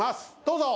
どうぞ！